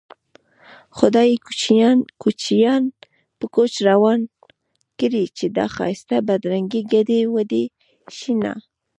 خدايه کوچيان په کوچ روان کړې چې دا ښايسته بدرنګې ګډې وډې شينه